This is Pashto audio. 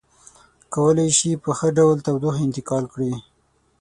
کولی شي په ښه ډول تودوخه انتقال کړي.